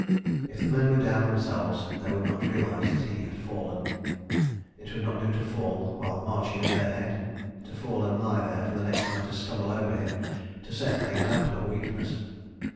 ... If the men were down themselves they would not realise that he had fallen. ... It would not do to fall while marching at their head, to fall and lie there for the next man to stumble over him, to set an example of weakness.